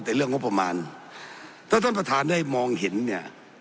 แต่เรื่องงบประมาณถ้าท่านประธานได้มองเห็นเนี่ย